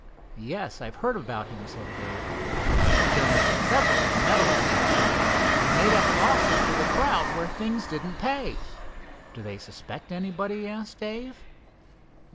"Yes, I've heard about him," said Dave. "He donated several of the medals last meet, and made up losses for the crowd where things didn't pay." "Do they suspect anybody?" asked Dave.